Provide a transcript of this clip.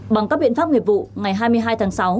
bằng các biện pháp nghiệp vụ ngày hai mươi hai tháng sáu